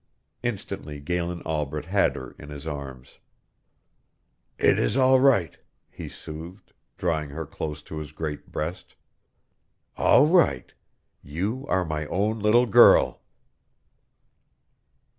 Instantly Galen Albret had her in his arms. "It is all right," he soothed, drawing her close to his great breast. "All right. You are my own little girl."